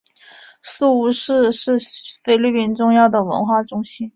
宿雾市是菲律宾重要的文化中心。